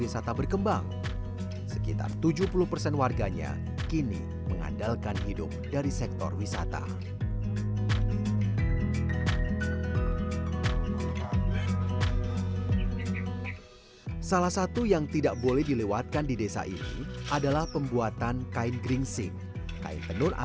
sampai jumpa di video selanjutnya